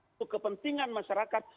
itu kepentingan masyarakat